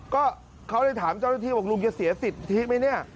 ก็เขาเลยถามเจ้าหน้าที่บอกลุงจะเสียสิทธิไหมเนี่ย